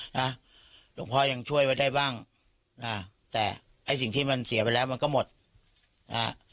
หลวงพ่อยังช่วยไว้ได้บ้างอ่าแต่ไอ้สิ่งที่มันเสียไปแล้วมันก็หมดนะฮะ